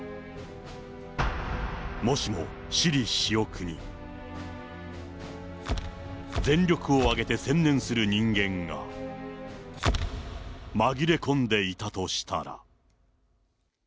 もしも私利私欲に全力を挙げて専念する人間が紛れ込んでいたとしたら。